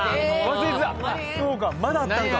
忘れてたそうかまだあったんか・